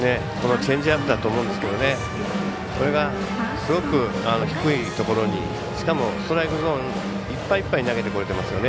チェンジアップだと思うんですけどこれがすごく低いところしかもストライクゾーンいっぱいいっぱいに投げてくれてますよね。